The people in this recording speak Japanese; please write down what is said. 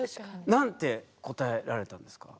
何て答えられたんですか？